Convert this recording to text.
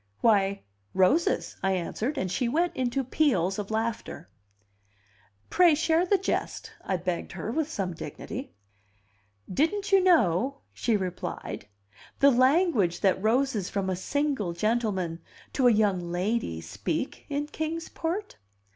"Why, roses," I answered; and she went into peals of laughter. "Pray share the jest," I begged her with some dignity. "Didn't you know," she replied, "the language that roses from a single gentleman to a young lady speak in Kings Port?"